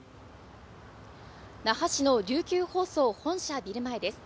那覇市の琉球放送本社ビル前です。